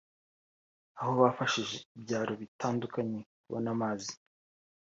aho bafashije ibyaro bitandukanye kubona amazi